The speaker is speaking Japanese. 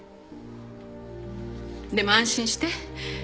でも安心して